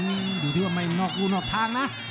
อยู่ที่ว่าไม่นอกรูนอกทางนะ